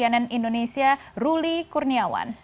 cnn indonesia ruli kurniawan